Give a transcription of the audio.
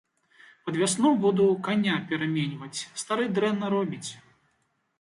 Пад вясну буду каня пераменьваць, стары дрэнна робіць.